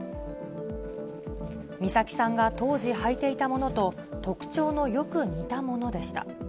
美咲さんが当時、履いていたものと特徴のよく似たものでした。